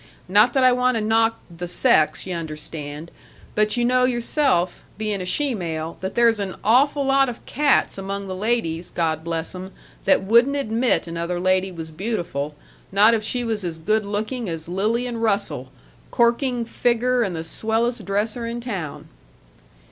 Not that I want to knock The Sex, y' understand, but you know yourself, bein' a shemale, that there's an awful lot of cats among the ladies God bless 'em that wouldn't admit another lady was beautiful, not if she was as good looking as Lillian Russell, corking figger and the swellest dresser in town."